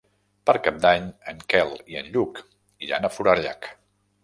Per Cap d'Any en Quel i en Lluc iran a Forallac.